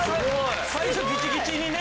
最初ギチギチにね。